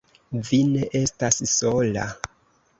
Vi ne estas sola!